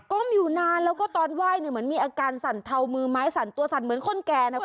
้มอยู่นานแล้วก็ตอนไหว้เนี่ยเหมือนมีอาการสั่นเทามือไม้สั่นตัวสั่นเหมือนคนแก่นะคุณ